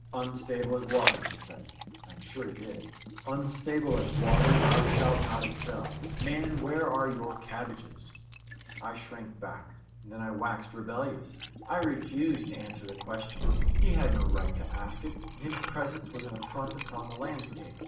"Unstable as water," he said (I am sure he did) "unstable as water, thou shalt not excel. Man, where are your cabbages?" I shrank back. Then I waxed rebellious. I refused to answer the question. He had no right to ask it, and his presence was an affront upon the landscape.